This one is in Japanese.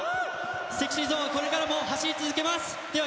ＳｅｘｙＺｏｎｅはこれからも走り続けます。